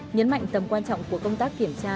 nhấn mạnh tầm quan trọng của công tác kiểm tra